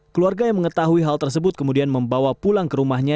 keluarga yang mengetahui hal tersebut kemudian membawa pulang ke rumahnya